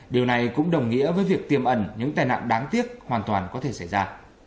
điều này cũng đồng nghĩa với việc tiêm ẩn những tai nạn đáng tiếc hoàn toàn có thể xảy ra